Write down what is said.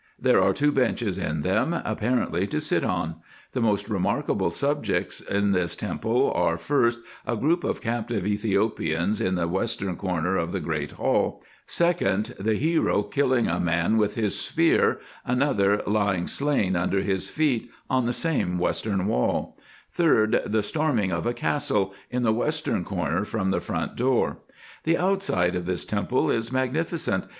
There are two benches in them, apparently to sit on. The most remarkable subjects in this temple are, 1st, a group of captive Ethiopians, in the western corner of the great hall : 2d, the hero killing a man with his spear, another lying slain under his feet, on the same western Avail : 3d, the storming of a castle, in the western corner from the front door. The outside of this temple is magnificent.